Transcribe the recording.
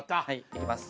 いきます。